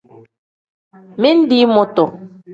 Mindi mutu.